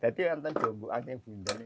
jadi kita bisa menggunakan bumbu